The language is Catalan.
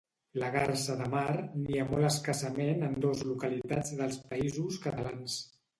La garsa de mar nia molt escassament en dos localitats dels Països Catalans